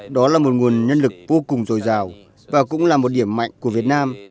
đó là một nguồn nhân lực vô cùng dồi dào và cũng là một điểm mạnh của việt nam